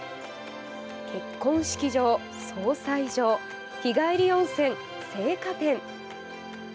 結婚式場、葬祭場、日帰り温泉、生花店。